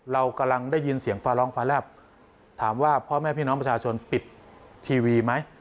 เรากำลังได้ยินเสียงฟ้าร้องฟ้าแลบถามว่าพ่อแม่พี่น้องประชาชนปิดทีวีไหม